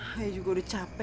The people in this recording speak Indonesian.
ayah juga udah capek